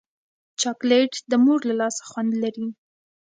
چاکلېټ د مور له لاسه خوند لري.